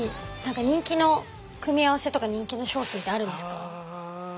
人気の組み合わせとか人気の商品ってあるんですか？